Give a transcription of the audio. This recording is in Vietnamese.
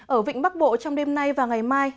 ở vịnh bắc bộ trong đêm nay và ngày mai